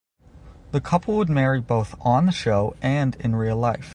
The couple would marry both on the show and in real life.